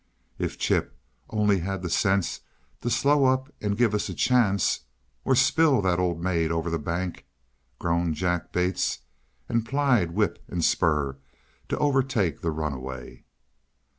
"If Chip only had the sense to slow up and give us a chance or spill that old maid over the bank!" groaned Jack Bates, and plied whip and spur to overtake the runaway.